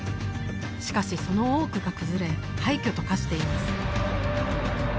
しかしその多くが崩れ廃虚と化しています